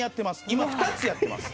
今２つやってます。